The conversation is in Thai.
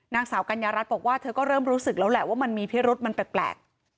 นางสาวกัญญารัฐบอกว่าเธอก็เริ่มรู้สึกแล้วแหละว่ามันมีพิรุษมันแปลก